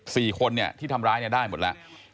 สี่คนเนี่ยที่ทำร้ายเนี่ยได้หมดแล้ว